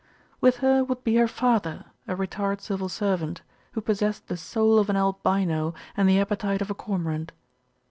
With her would be her father, a retired civil servant, who possessed the soul of an albino and the appetite of a cormorant.